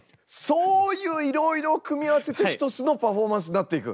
そういういろいろを組み合わせて一つのパフォーマンスになっていく？